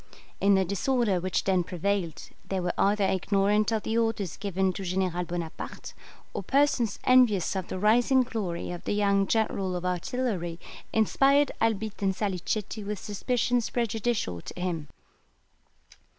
In the disorder which then prevailed they were either ignorant of the orders given to General Bonaparte, or persons envious of the rising glory of the young general of artillery inspired Albitte and Salicetti with suspicions prejudicial to him.